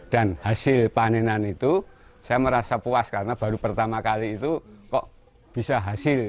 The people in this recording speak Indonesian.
dan hasil panenan itu saya merasa puas karena baru pertama kali itu kok bisa hasil